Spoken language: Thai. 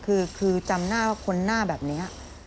คือจำหน้าว่าคนหน้าแบบนี้